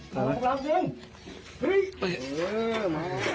พร้อมครับสิ